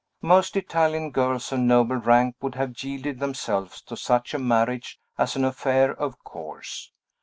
Most Italian girls of noble rank would have yielded themselves to such a marriage as an affair of course.